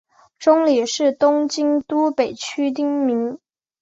中里是东京都北区的町名。